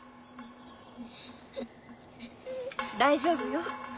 大丈夫よ。